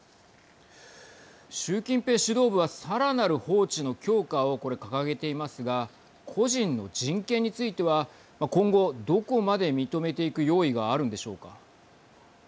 習近平指導部はさらなる法治の強化をこれ掲げていますが個人の人権については今後、どこまで認めていく用意があるんでしょうか。